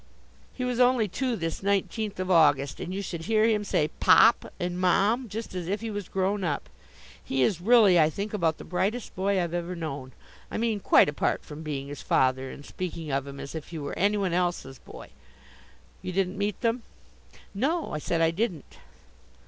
He was only two this nineteenth of August. And you should hear him say 'Pop' and 'Mom' just as if he was grown up. He is really, I think, about the brightest boy I've ever known I mean quite apart from being his father, and speaking of him as if he were anyone else's boy. You didn't meet them?" "No," I said, "I didn't."